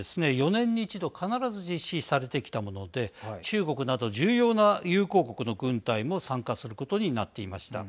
４年に１度必ず実施されてきたもので中国など重要な友好国の軍隊も参加することになっていました。